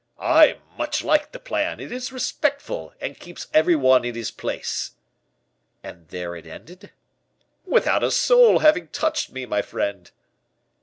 "I much like the plan; it is respectful, and keeps every one in his place." "And there it ended?" "Without a soul having touched me, my friend."